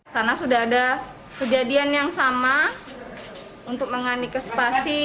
karena sudah ada kejadian yang sama untuk mengandungi kesepasi